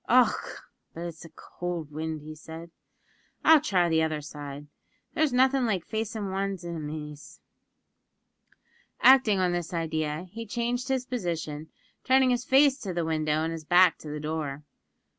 "Och! but it's a cowld wind," said he. "I'll try the other side. There's nothin' like facin' wan's inimies." Acting on this idea, he changed his position, turning his face to the window and his back to the door.